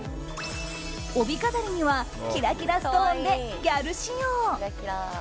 帯飾りにはキラキラストーンでギャル仕様。